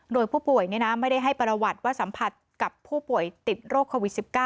โดยผู้ป่วยไม่ได้ให้ประวัติว่าสัมผัสกับผู้ป่วยติดโรคโควิด๑๙